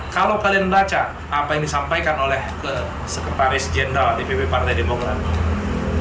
kalau kalian baca apa yang disampaikan oleh sekretaris jenderal dpp partai demokrat